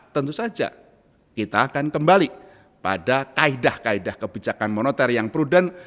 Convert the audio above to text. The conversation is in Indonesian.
tentu saja kita akan kembali pada kaedah kaedah kebijakan moneter yang prudent